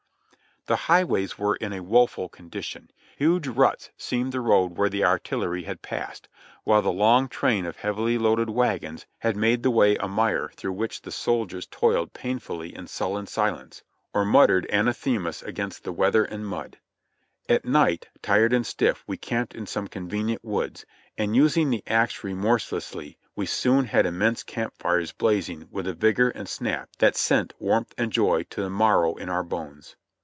The highways were in a woeful condition. Huge ruts seamed the road where the artillery had passed ; while the long train of heavily loaded wagons had made the way a mire through which J\i> |o!>x^ckT s "AND SO. SNAIL FASHION. HE CARRIED HIS HOUSE ON HIS BODY, Facingr paji^e UO ^ THE RETREAT lOI the soldiers toiled painfully in sullen silence — or muttered anathe mas against the weather and mud. At night, tired and stiff, we camped in some convenient woods, and using the axe remorselessly we soon had immense camp fires blazing with a vigor and snap that sent warmth and joy to the marrow in our bones.